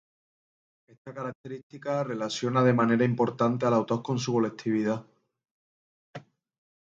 Esta característica relaciona de manera importante al autor con su colectividad.